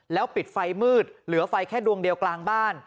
แล้วปิดไฟมืดเหลือไฟแค่ดวงเดียวกลางบ้าน